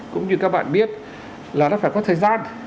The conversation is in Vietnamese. cũng như các bạn biết là nó phải có thời gian